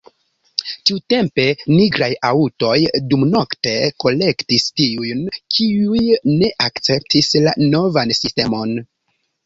Tiutempe nigraj aŭtoj dumnokte kolektis tiujn, kiuj ne akceptis la novan sistemon.